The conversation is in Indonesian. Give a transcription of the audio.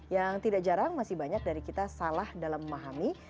yang tidak jarang masih banyak dari kita salah dalam memahami